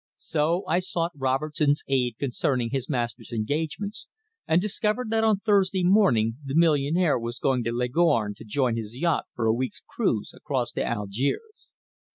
So I sought Robertson's aid concerning his master's engagements, and discovered that on Thursday morning the millionaire was going to Leghorn to join his yacht for a week's cruise across to Algiers.